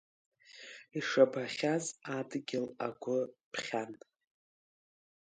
Ишабахьаз адгьыл агәы ҭәхьан.